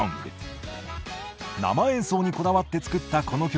生演奏にこだわって作ったこの曲。